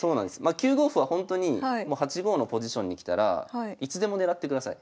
９五歩はほんとにもう８五のポジションにきたらいつでも狙ってください。